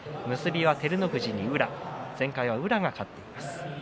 照ノ富士と宇良前回は宇良が勝っています。